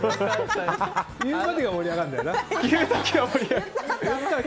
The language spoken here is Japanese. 言う時が盛り上がるんだよな。